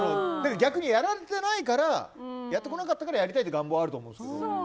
逆に、やられてないからやってこなかったからやりたいという願望があるとは思います。